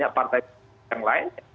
jadi saya alasan pertama